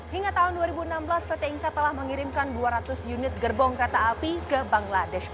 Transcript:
hingga tahun dua ribu enam belas pt inka telah mengirimkan dua ratus unit gerbong kereta api ke bangladesh